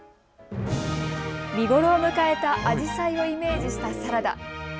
見頃を迎えたあじさいをイメージしたサラダ。